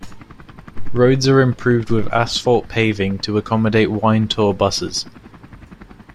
Roads are improved with asphalt paving to accommodate wine-tour buses.